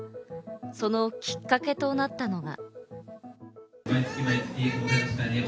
そのきっかけとなったのが。